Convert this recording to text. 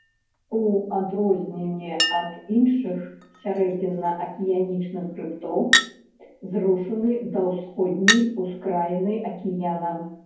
У адрозненне ад іншых сярэдзінна-акіянічных хрыбтоў, зрушаны да ўсходняй ускраіны акіяна.